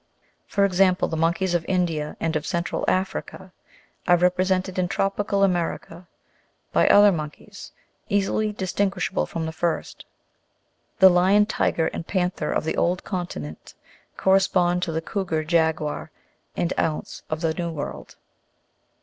For example, the monkeys of India and of Central Africa are represented in tropical America by other monkey'3 110 GEOGRAPHICAL DISTRIBUTION OF ANIMALS. easily distinguishable from the first ; the lion, tiger, and pan ther, of the old continent, correspond to the cougar, jaguar, and ounce, of the New World.